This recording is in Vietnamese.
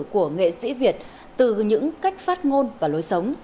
của nghệ sĩ việt từ những cách phát ngôn và lối sống